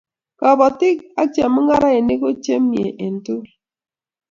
kabotik ak chemungarainik ko chemie en tokol